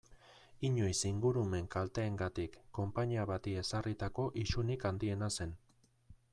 Inoiz ingurumen kalteengatik konpainia bati ezarritako isunik handiena zen.